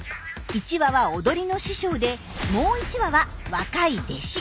１羽は踊りの師匠でもう１羽は若い弟子。